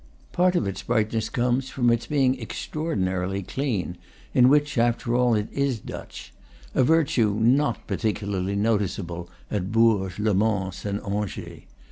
Part of its brightness comes from its being extra ordinarily clean, in which, after all, it is Dutch; a virtue not particularly noticeable at Bourges, Le Mans, and Angers.